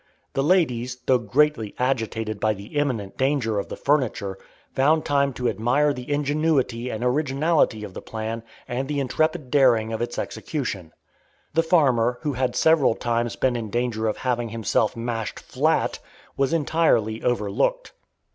The ladies, though greatly agitated by the imminent danger of the furniture, found time to admire the ingenuity and originality of the plan and the intrepid daring of its execution. The farmer, who had several times been in danger of having himself mashed flat, was entirely overlooked.